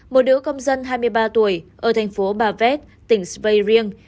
một nữ công dân hai mươi ba tuổi ở thành phố bavet tỉnh svayriang